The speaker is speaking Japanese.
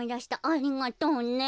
ありがとうね。